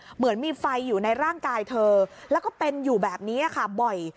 เหมือนมีไฟอยู่ในร่างกายเธอแล้วก็เป็นอยู่แบบนี้ค่ะบ่อย